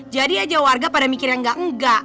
jadi aja warga pada mikir yang gak enggak